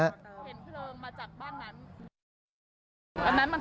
อันนั้นมันตกใจมันต้องออกมาครับ